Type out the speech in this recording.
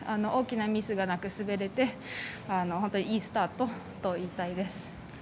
大きなミスがなく滑れて、本当にいいスタートと言いたいです。